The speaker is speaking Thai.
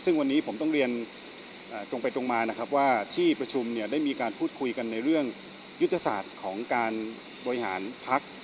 ซึ่งวันนี้ผมต้องเรียนตรงไปตรงมานะครับว่าที่ประชุมเนี่ยได้มีการพูดคุยกันในเรื่องยุทธศาสตร์ของการบริหารพัก